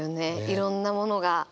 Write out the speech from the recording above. いろんなものが。